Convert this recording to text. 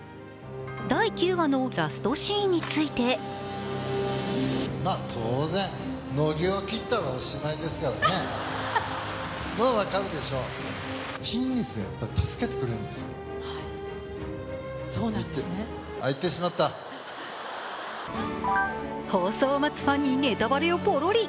第９話のラストシーンについて放送を待つファンにネタバレをポロリ。